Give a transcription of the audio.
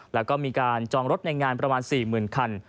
แล้วก็มีการจองรถในงานประมาณ๔๐๐๐คัน